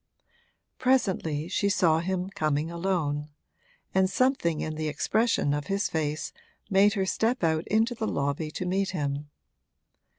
Presently she saw him coming alone, and something in the expression of his face made her step out into the lobby to meet him.